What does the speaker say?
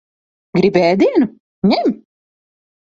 Gribi ēdienu? Ņem.